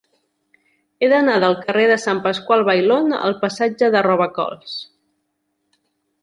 He d'anar del carrer de Sant Pasqual Bailón al passatge de Robacols.